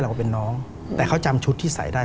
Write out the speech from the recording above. ก็เป็นน้องแต่เขาจำชุดที่ใส่ได้